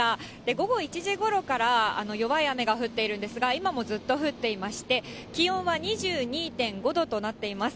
午後１時ごろから、弱い雨が降っているんですが、今もずっと降っていまして、気温は２２．５度となっています。